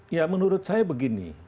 ya menurut saya begini